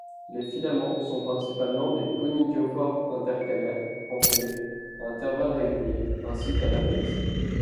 Les filaments sont principalement des conidiophores intercalaires renflés à intervalles réguliers ainsi qu'à l'apex.